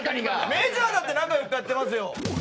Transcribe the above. メジャーだって中４日やってますよ。